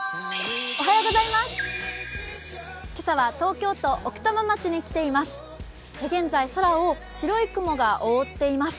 今朝は東京都奥多摩町に来ています。